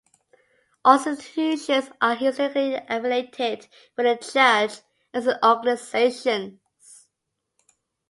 All the institutions are historically affiliated with the church and its organizations.